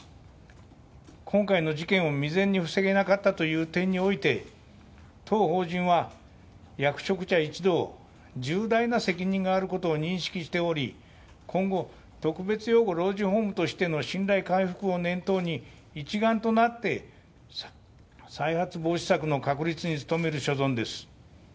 今回の事件を未然に防げなかったという点において、当法人は役職者一同、重大な責任があることを認識しており、今後、特別養護老人ホームとしての信頼回復を念頭に一丸となって再発防止策の確立に努める所存です。